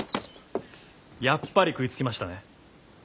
やっぱり食いつきましたね。